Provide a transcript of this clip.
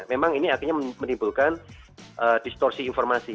memang ini akhirnya menimbulkan distorsi informasi